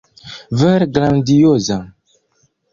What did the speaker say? Vere grandioza!